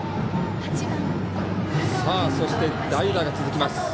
そして代打が続きます。